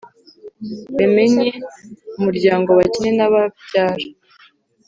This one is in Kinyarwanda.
bemenye umuryango bakine n’ababyara